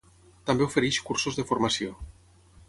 També ofereix cursos de formació.